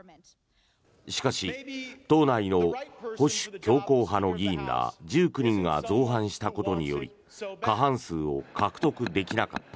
しかし党内の保守強硬派の議員ら１９人が造反したことにより過半数を獲得できなかった。